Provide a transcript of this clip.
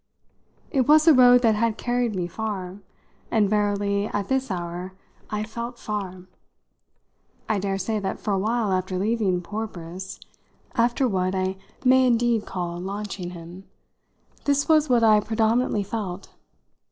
It was a road that had carried me far, and verily at this hour I felt far. I daresay that for a while after leaving poor Briss, after what I may indeed call launching him, this was what I predominantly felt.